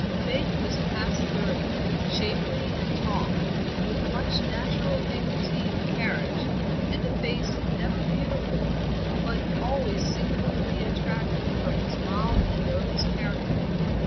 Faith was past thirty, shapely and tall, with much natural dignity of carriage, and a face never beautiful, but always singularly attractive from its mild and earnest character.